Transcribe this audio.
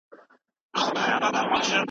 ولې ملي سوداګر خوراکي توکي له ایران څخه واردوي؟